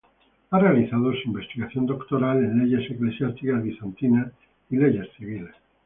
Ha realizado su investigación doctoral en leyes eclesiásticas bizantinas y leyes civiles.